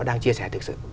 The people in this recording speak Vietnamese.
đang chia sẻ thực sự